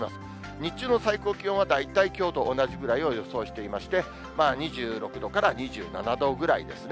日中の最高気温は大体きょうと同じぐらいを予想していまして、２６度から２７度ぐらいですね。